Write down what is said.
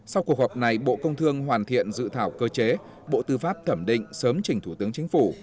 sau cuộc họp này bộ công thương hoàn thiện dự thảo cơ chế bộ tư pháp thẩm định sớm trình thủ tướng chính phủ